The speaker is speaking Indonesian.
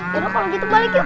yaudah kalau gitu balik yuk